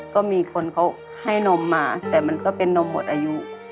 ก็มีคนเขาให้นมมาแต่มันก็เป็นนมหมดอายุ